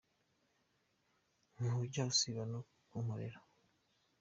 Ntujya usiba no kunkorera